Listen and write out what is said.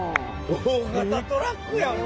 大型トラックやん